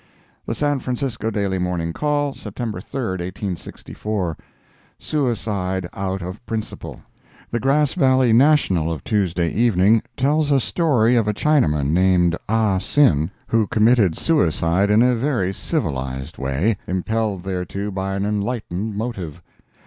The San Francisco Daily Morning Call, September 3, 1864 SUICIDE OUT OF PRINCIPLE The Grass Valley National, of Tuesday evening, tells a story of a Chinaman named Ah Sin, who committed suicide in a very civilized way, impelled thereto by an enlightened motive.